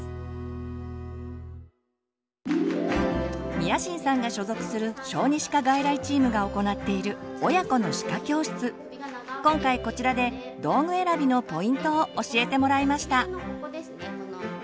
宮新さんが所属する小児歯科外来チームが行っている今回こちらで道具選びのポイントを教えてもらいました。